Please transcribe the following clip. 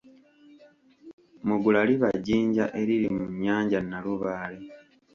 Mugula liba Jjinja eliri mu nnyanja Nnalubaale.